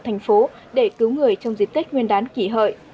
tp hcm để cứu người trong dịp tết nguyên đán kỷ hợi